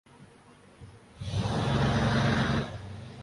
اوادھی